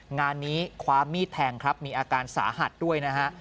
งานนี้คว้ามีดแทงครับมีอาการสาหัสด้วยนะฮะ